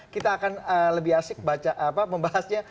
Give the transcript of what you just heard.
kita akan lebih asik membahasnya